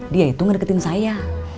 dia itu ngedeketin saya